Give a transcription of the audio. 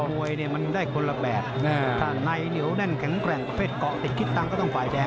มวยมันได้คนละแบบถ้าไหนนิ้วแข็งแกร่งประเภทเกาะติดกิ๊ดตังก็ต้องฝ่ายแดง